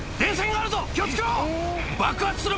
気を付けろ！